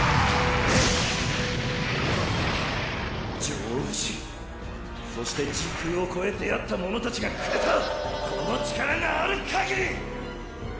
ジョー氏そして時空をこえ出会った者たちがくれたこの力があるかぎり！